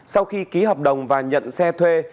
sau khi ký hợp đồng và nhận xe thuê